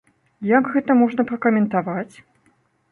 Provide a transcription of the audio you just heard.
Як гэта можна пракаментаваць?